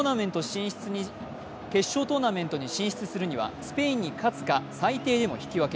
決勝トーナメントに進出するにはスペインに勝つか最低でも引き分け。